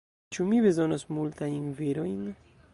Ĉu mi bezonos multajn virojn?